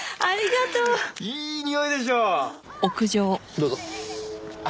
どうぞ。